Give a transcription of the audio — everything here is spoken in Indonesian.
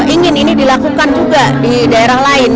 ingin ini dilakukan juga di daerah lain